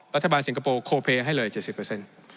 รัฐบาลสิงคโปร์โคเภให้เลย๗๐เปอร์เซ็นต์